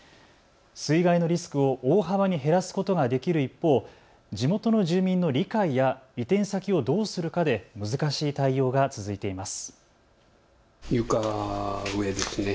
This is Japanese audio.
水害のリスクを大幅に減らすことができる一方、地元の住民の理解や移転先をどうするかで難しい対応が続いています。